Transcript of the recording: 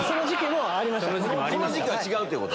この時期は違うってこと？